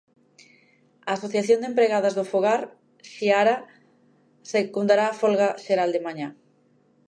A Asociación de Empregadas do Fogar Xiara secundará a folga xeral de mañá.